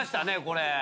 これ。